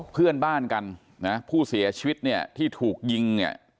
เพื่อนบ้านกันผู้เสียชีวิตที่ถูกยิง